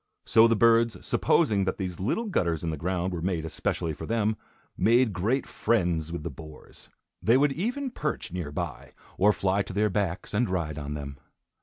So the birds, supposing that these little gutters in the ground were made especially for them, made great friends with the boars. They would even perch near by, or fly to their backs, and ride on them.